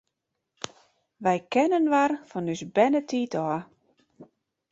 Wy kenne inoar fan ús bernetiid ôf.